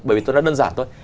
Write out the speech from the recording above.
bởi vì nó đơn giản thôi